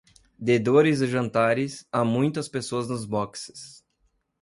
De dores e jantares, há muitas pessoas nos boxes.